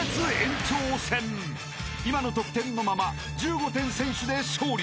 ［今の得点のまま１５点先取で勝利］